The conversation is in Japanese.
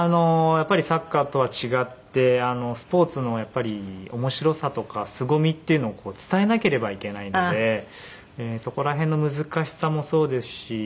やっぱりサッカーとは違ってスポーツの面白さとかすごみっていうのを伝えなければいけないのでそこら辺の難しさもそうですし。